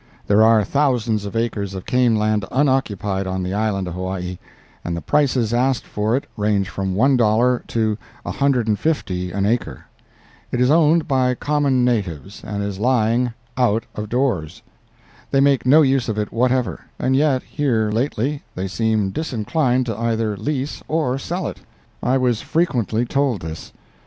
There are thousands of acres of cane land unoccupied on the island of Hawaii, and the prices asked for it range from one dollar to a hundred and fifty an acre. It is owned by common natives, and is lying "out of doors." They make no use of it whatever, and yet, here lately, they seem disinclined to either lease or sell it. I was frequently told this.